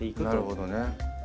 なるほどね。